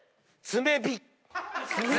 爪火！